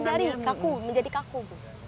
jari jari kaku menjadi kaku